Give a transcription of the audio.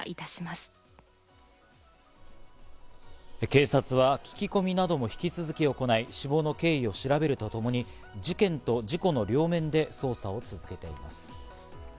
警察は聞き込みなども引き続き行い、死亡の経緯を調べるとともに、事件と事故の両面で捜査を続けています。